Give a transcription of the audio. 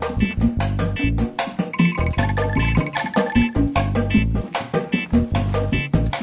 kamu berenti jadi kamu